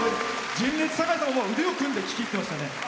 純烈の酒井さんも腕を組んで聴き入ってましたね。